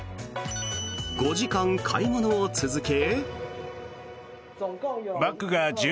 ５時間買い物を続け。